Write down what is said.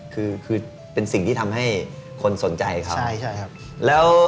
คือเป็นสิ่งที่ทำให้ความสนใจเขาเหรอร้อยคือความสามารถของเขานั่นแหละ